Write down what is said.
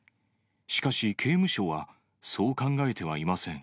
しかし、刑務所はそう考えてはいません。